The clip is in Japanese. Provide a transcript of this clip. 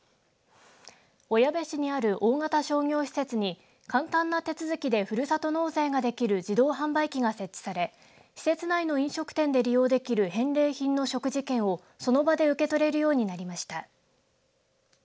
小矢部市にある大型商業施設に簡単な手続きでふるさと納税ができる自動販売機が設置され施設内の飲食店で利用できる返礼品の食事券をその場で受け取れるようになりました。